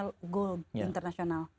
yang ibaratnya gold internasional